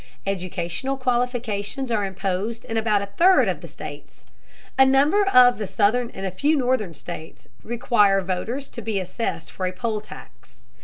Educational qualifications are imposed in about a third of the states. A number of southern and a few northern states require voters to be assessed for a poll tax.